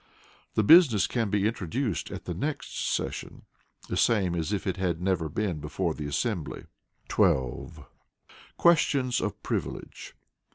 The business can be introduced at the next session, the same as if it had never been before the assembly. 12. Questions of Privilege.